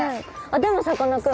でもさかなクン